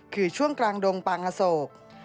คือช่วงกลางดงปางอโศก